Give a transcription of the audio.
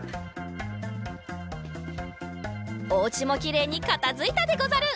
おうちもきれいにかたづいたでござる。